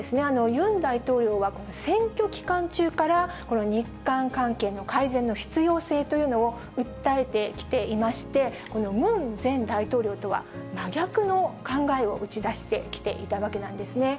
ユン大統領は選挙期間中から、この日韓関係の改善の必要性というのを訴えてきていまして、このムン前大統領とは真逆の考えを打ち出してきていたわけなんですね。